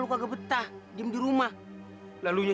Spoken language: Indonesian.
kenapa kamu ada di sini